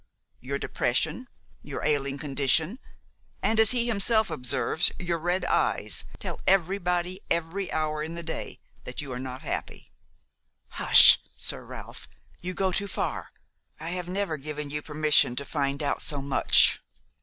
Your depression, your ailing condition, and, as he himself observes, your red eyes, tell everybody every hour in the day that you are not happy." "Hush, Sir Ralph, you go too far. I have never given you permission to find out so much."